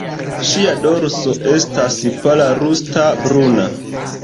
Ŝia dorso estas pala rusta-bruna.